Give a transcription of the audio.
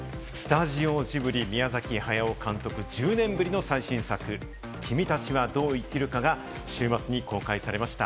スタジオジブリ、宮崎駿監督１０年ぶりの最新作『君たちはどう生きるか』が週末に公開されました。